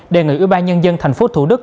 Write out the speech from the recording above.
đề ngữ ủy ban nhân dân tp thủ đức